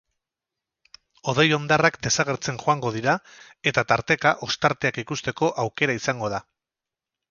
Hodei hondarrak desagertzen joango dira eta tarteka ostarteak ikusteko aukera izango da.